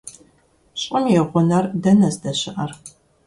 ЩӀым и гъунэр дэнэ здэщыӏэр?